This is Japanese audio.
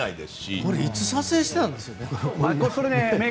これいつ撮影したんですかね。